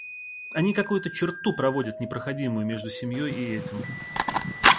Они какую-то черту проводят непроходимую между семьей и этим.